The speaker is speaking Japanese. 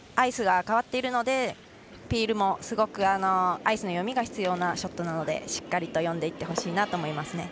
ここもアイスが変わっているので、ピールもアイスの読みが必要なショットなのでしっかりと読んでいってほしいです。